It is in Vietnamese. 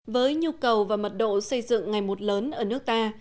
với nhu cầu và mật độ xây dựng ngày một lớn ở nước ta